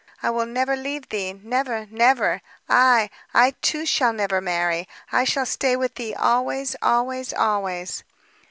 I will never leave thee, never, never! I I, too, shall never marry. I shall stay with thee always, always, always!"